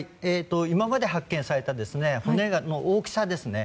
今まで発見された骨の大きさですね。